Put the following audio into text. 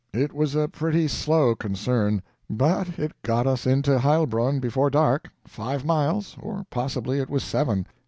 It was a pretty slow concern, but it got us into Heilbronn before dark five miles, or possibly it was seven.